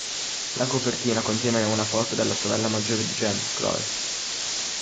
La copertina contiene una foto della sorella maggiore di Jem, Chloe.